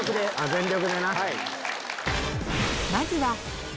全力でな。